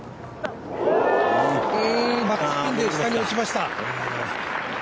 うーん、バックスピンで下に落ちました。